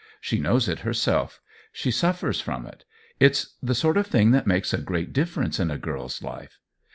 She knows it herself; she suffers from it. It's the sort of thing that makes a great difference in a girl's life."